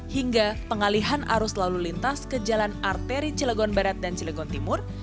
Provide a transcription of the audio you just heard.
hingga pengalihan arus lalu lintas ke jalan arteri cilegon barat dan cilegon timur